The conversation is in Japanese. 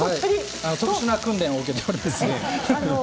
特殊な訓練を受けております。